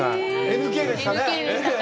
ＮＫでしたね。